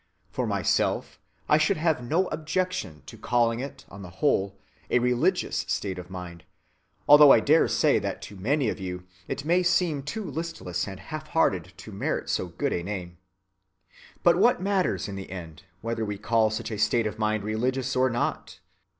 For myself, I should have no objection to calling it on the whole a religious state of mind, although I dare say that to many of you it may seem too listless and half‐hearted to merit so good a name. But what matters it in the end whether we call such a state of mind religious or not?